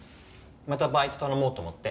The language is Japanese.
またバイト頼もうと思って。